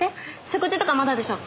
食事とかまだでしょ？